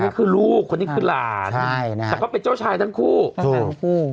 คนนี้คือลูกคนนี้คือหลานใช่นะครับแต่เขาเป็นเจ้าชายทั้งคู่ทั้งคู่